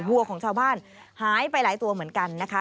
วัวของชาวบ้านหายไปหลายตัวเหมือนกันนะคะ